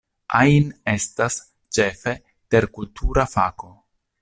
Ain estas, ĉefe, terkultura fako.